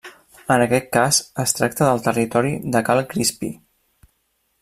En aquest cas es tracta de territori de Cal Crispí.